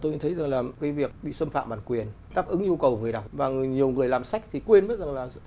tôi thấy rằng là cái việc bị xâm phạm bản quyền đáp ứng nhu cầu người đọc và nhiều người làm sách thì quên biết rằng là